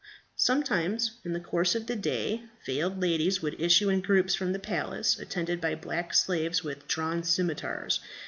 Sometimes in the course of the day, veiled ladies would issue in groups from the palace, attended by black slaves with drawn scimitars.